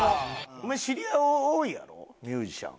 お前知り合い多いやろミュージシャン。